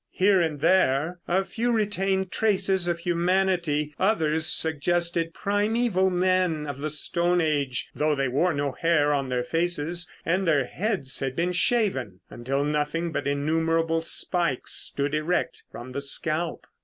Here and there a few retained traces of humanity; others suggested primeval men of the stone age, though they wore no hair on their faces and their heads had been shaven until nothing but innumerable spikes stood erect from the scalp.